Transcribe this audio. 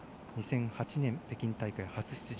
２００８年、北京大会初出場。